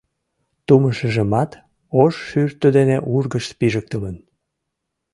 Тумышыжымат ош шӱртӧ дене ургышт пижыктылын.